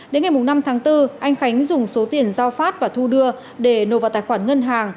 đến ngày năm tháng bốn anh khánh dùng số tiền do phát và thu đưa để nộp vào tài khoản ngân hàng